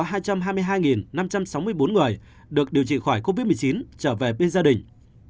đã có sáu mươi bốn người được điều trị khỏi covid một mươi chín trở về bên gia đình